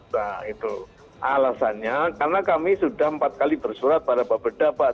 nah itu alasannya karena kami sudah empat kali bersurat pada bapak beda pak